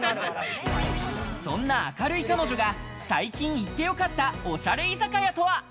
そんな明るい彼女が最近行ってよかった、おしゃれ居酒屋とは？